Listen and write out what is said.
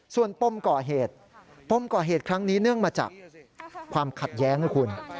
ส่วนปมก่อเหตุปมก่อเหตุครั้งนี้เนื่องมาจากความขัดแย้งนะคุณ